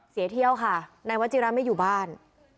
เสียเที่ยวค่ะนายวัชิระไม่อยู่บ้าน